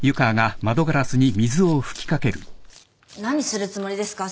何するつもりですか？